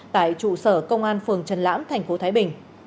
tại trụ sở công an phường trần lãm tp thái bình